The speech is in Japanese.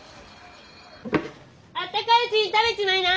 あったかいうちに食べちまいな！